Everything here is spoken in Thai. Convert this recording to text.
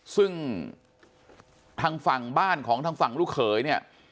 ซึ่งทางฝั่งบ้านของทางฝั่งลูกเขยเนี่ย